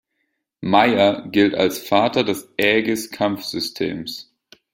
Meyer gilt als Vater des Aegis-Kampfsystems.